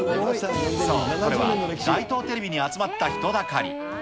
そう、これは街頭テレビに集まった人だかり。